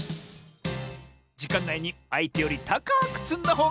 じかんないにあいてよりたかくつんだほうがかちサボよ！